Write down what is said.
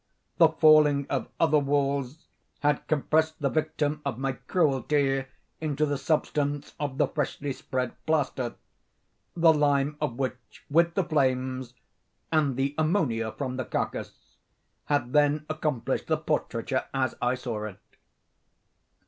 The falling of other walls had compressed the victim of my cruelty into the substance of the freshly spread plaster; the lime of which, with the flames, and the ammonia from the carcass, had then accomplished the portraiture as I saw it.